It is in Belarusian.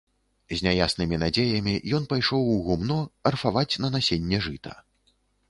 З няяснымі надзеямі ён пайшоў у гумно арфаваць на насенне жыта.